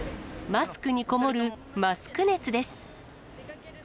マスクに籠もるマスク熱です。